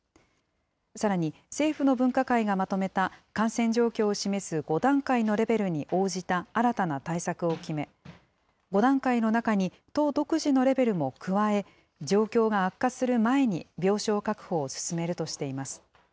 さらに政府の分科会がまとめた感染状況を示す５段階のレベルに応じた新たな対策を決め、５段階の中に都独自のレベルも加え、状況が悪化する前に病床確保を進めるとしています。